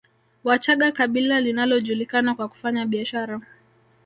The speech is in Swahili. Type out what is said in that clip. Wachaga kabila linalojulikana kwa kufanya biashara